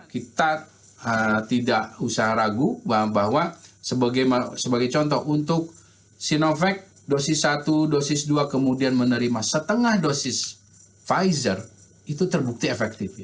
kita tidak usah ragu bahwa sebagai contoh untuk sinovac dosis satu dosis dua kemudian menerima setengah dosis pfizer itu terbukti efektif